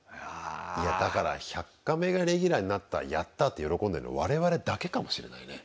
いやだから「１００カメ」がレギュラーになったやった！って喜んでるの我々だけかもしれないね。